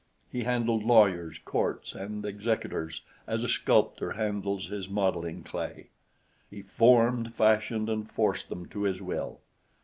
He handled lawyers, courts and executors as a sculptor handles his modeling clay. He formed, fashioned and forced them to his will.